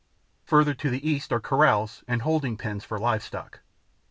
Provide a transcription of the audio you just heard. Further to the east are corrals and holding pens for livestock.